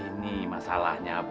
ini masalahnya bu